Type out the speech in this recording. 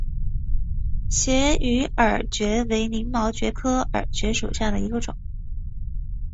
斜羽耳蕨为鳞毛蕨科耳蕨属下的一个种。